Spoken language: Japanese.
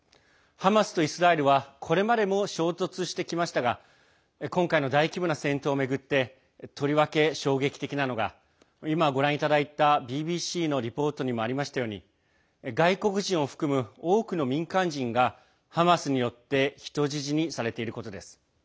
ハマスとイスラエルはこれまでも衝突してきましたが今回の大規模な戦闘を巡ってとりわけ衝撃的なのが今、ご覧いただいたＢＢＣのリポートにもありましたように外国人を含む多くの民間人がハマスによって人質にされていることです。